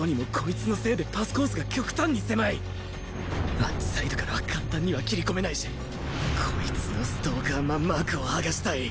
あっちサイドからは簡単には切り込めないしこいつのストーカーマンマークをはがしたい！